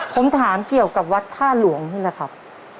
ผมถามเกี่ยวกับวัดท่าหลวงนี่แหละครับ